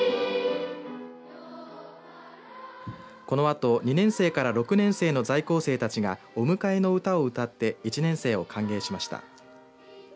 このあと２年生から６年生の在校生たちがお迎えの歌を歌って１年生を歓迎しました。